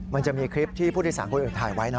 มันจะมีคลิปที่ผู้โดยสารคนอื่นถ่ายไว้นะ